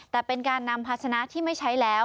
แต่เป็นการนำภาชนะที่ไม่ใช้แล้ว